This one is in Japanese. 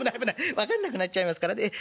分かんなくなっちゃいますからね。